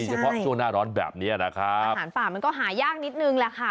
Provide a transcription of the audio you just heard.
เฉพาะช่วงหน้าร้อนแบบนี้นะครับอาหารฝ่ามันก็หายากนิดนึงแหละค่ะ